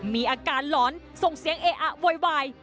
มีอาการหลอนส่งเสียงเออะโวยวาย